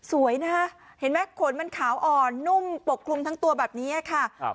สวยนะฮะเห็นไหมขนมันขาวอ่อนนุ่มปกคลุมทั้งตัวแบบนี้ค่ะ